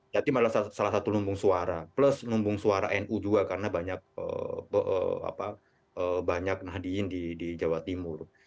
jatim adalah salah satu lumbung suara plus lumbung suara nu juga karena banyak nahdiyin di jawa timur